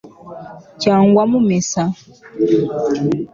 cyangwa mu misa